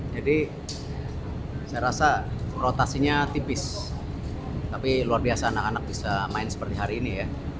jadi saya rasa rotasinya tipis tapi luar biasa anak anak bisa main seperti hari ini ya